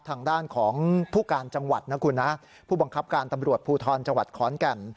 ทางด้านของผู้การจังหวัดนะคุณนะผู้บังคับการตำรวจภูทรจังหวัดขอนแก่น